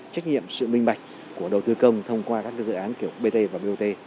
trách nhiệm sự minh bạch của đầu tư công thông qua các dự án kiểu bt và bot